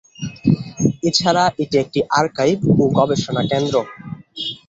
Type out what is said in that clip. এছাড়া এটি একটি আর্কাইভ ও গবেষণা কেন্দ্র।